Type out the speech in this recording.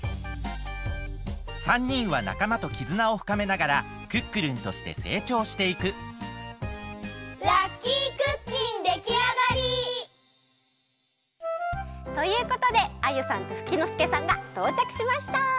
３にんはなかまときずなをふかめながらクックルンとしてせいちょうしていくラッキークッキンできあがり！ということでアユさんとフキノスケさんがとうちゃくしました！